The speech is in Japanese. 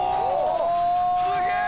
すげえ！